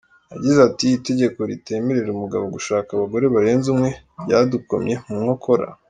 Yagize ati “Itegeko ritemerera umugabo gushaka abagore barenze umwe ryadukomye mu nkokora.